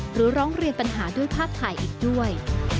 ร้องเรียนปัญหาด้วยภาพถ่ายอีกด้วย